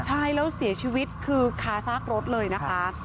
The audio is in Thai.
ใช่แล้วเสียชีวิตคือคาซากรถเลยนะคะ